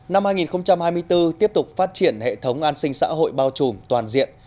năm hai nghìn hai mươi bốn tiếp tục phát triển hệ thống an sinh xã hội bao trùm toàn diện